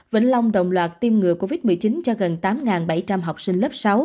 vĩnh long đồng loạt tiêm ngừa covid một mươi chín cho gần tám bảy trăm linh học sinh lớp sáu